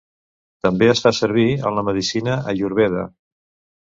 També es fa servir en la medicina Ayurveda.